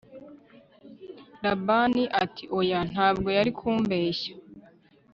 Labani ati Oya ntabwo yari kumubeshya